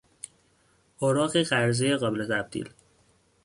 اوراق قرضهی قابل تبدیل